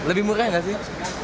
oke lebih murah nggak sih